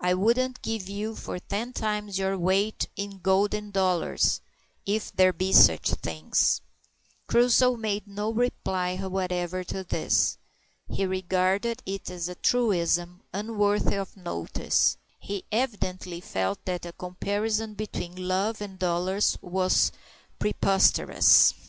"I wouldn't give you for ten times your weight in golden dollars if there be sich things." Crusoe made no reply whatever to this. He regarded it as a truism unworthy of notice; he evidently felt that a comparison between love and dollars was preposterous.